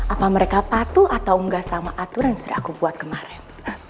apa mereka patuh atau enggak sama aturan yang sudah aku buat kemarin